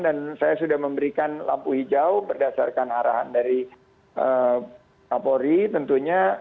dan saya sudah memberikan lampu hijau berdasarkan arahan dari kapolri tentunya